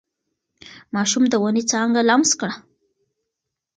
ماشوم د ونې څانګه لمس کړه.